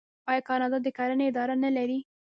آیا کاناډا د کرنې اداره نلري؟